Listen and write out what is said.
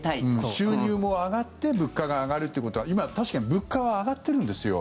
収入も上がって物価が上がるということは今、確かに物価は上がってるんですよ。